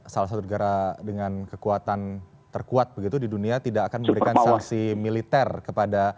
salah satu negara dengan kekuatan terkuat begitu di dunia tidak akan memberikan sanksi militer kepada